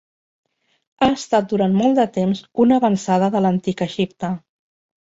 Ha estat durant molt de temps una avançada de l'antic Egipte.